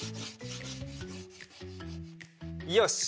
よし！